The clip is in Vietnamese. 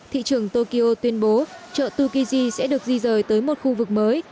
thị trường tokyo tuyên bố chợ tokyji sẽ được di rời tới một khu vực mới